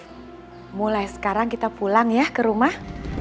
nah mulai sekarang kita pulang ya ke rumah